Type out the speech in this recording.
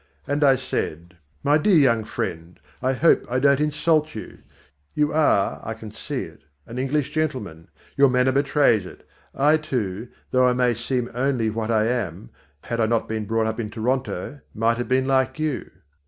And I said "My dear young friend, I hope I don't insult you. You are, I can see it, an English gentleman. Your manner betrays it. I, too, though I may seem only what I am, had I not been brought up in Toronto, might have been like you.